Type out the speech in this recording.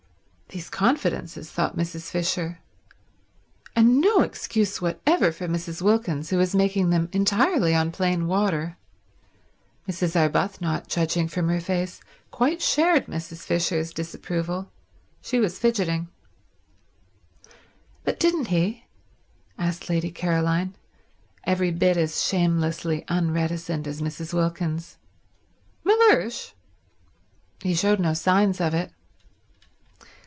These confidences, thought Mrs. Fisher ... and no excuse whatever for Mrs. Wilkins, who was making them entirely on plain water. Mrs. Arbuthnot, judging from her face, quite shared Mrs. Fisher's disapproval; she was fidgeting. "But didn't he?" asked Lady Caroline—every bit as shamelessly unreticent as Mrs. Wilkins. "Mellersh? He showed no signs of it."